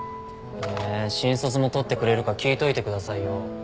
えー新卒も採ってくれるか聞いといてくださいよ。